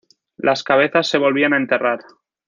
Las cabezas se volvían a enterrar.